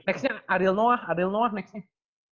next nya adil noah adil noah next nya